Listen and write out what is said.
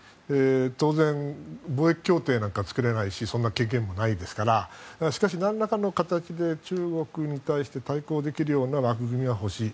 当然、貿易協定なんか作れないしそんな経験もないですからしかし、何らかの形で中国に対して対抗できるような枠組みは欲しい。